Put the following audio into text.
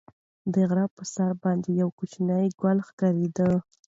د غره په سر باندې یوه کوچنۍ کلا ښکارېده.